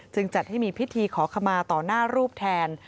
จัดให้มีพิธีขอขมาต่อหน้ารูปแทน